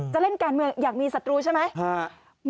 จะเล่นการเมืองอยากมีศัตรูใช่ไหม